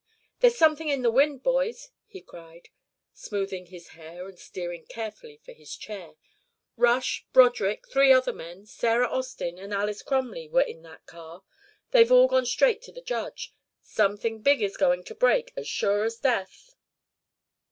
"There's something in the wind, boys," he cried, smoothing his hair and steering carefully for his chair. "Rush, Broderick, three other men, Sarah Austin and Alys Crumley, were in that car. They've all gone straight to the Judge. Something big is going to break, as sure as death."